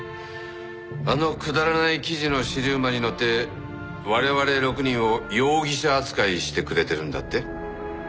あのくだらない記事の尻馬に乗って我々６人を容疑者扱いしてくれてるんだって？